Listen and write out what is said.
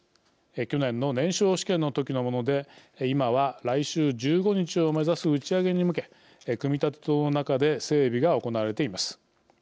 去年の燃焼試験の時のもので今は、来週１５日を目指す打ち上げに向け組み立て棟の中で整備が行われています。